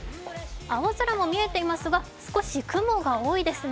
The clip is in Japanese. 青空も見えていますが、少し雲が多いですね。